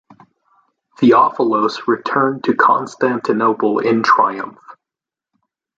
Theophilos returned to Constantinople in triumph.